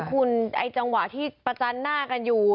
คุณไอ้จังหวะที่ประจันหน้ากันอยู่